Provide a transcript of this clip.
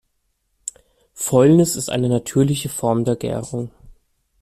Fäulnis ist eine natürliche Form der Gärung.